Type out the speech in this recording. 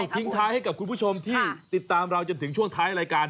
ทิ้งท้ายให้กับคุณผู้ชมที่ติดตามเราจนถึงช่วงท้ายรายการ